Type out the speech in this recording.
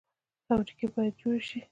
فابریکې باید جوړې شي